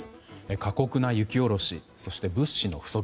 過酷な雪下ろしそして物資の不足。